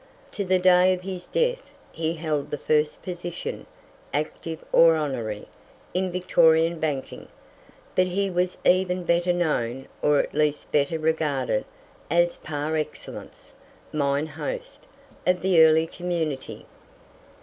To the day of his death he held the first position, active or honorary, in Victorian banking. But he was even better known, or at least better regarded, as, par excellence, "mine host" of the early community.